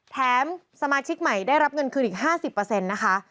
สมาชิกใหม่ได้รับเงินคืนอีก๕๐นะคะ